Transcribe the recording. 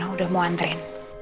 udah mau anterin